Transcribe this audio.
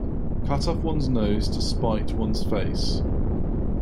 Cut off one's nose to spite one's face.